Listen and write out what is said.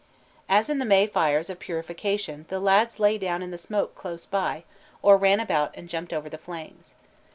As in the May fires of purification the lads lay down in the smoke close by, or ran about and jumped over the flames.